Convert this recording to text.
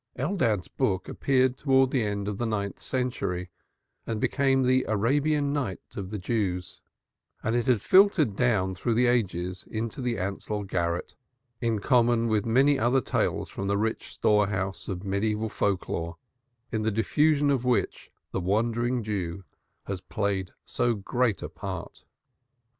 Eldad's book appeared towards the end of the ninth century and became the Arabian Nights of the Jews, and it had filtered down through the ages into the Ansell garret, in common with many other tales from the rich storehouse of mediaeval folk lore in the diffusion of which the wandering few has played so great a part.